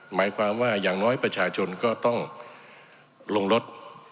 หมายความว่าอย่างน้อยประชาชนก็ต้องลงรถ